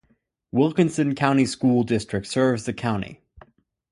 Wilkinson County School District serves the county.